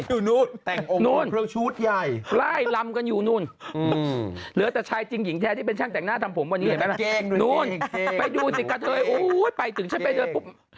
นู่นใหญ่ไล่ลำกันอยู่นู่นเหลือแต่ชายจริงหญิงแท้ที่เป็นช่างแต่งหน้าทำผมวันนี้เห็นไหมนู่นไปดูสิกะเทยอุ้ยไปถึงฉันไปเดินปุ๊บ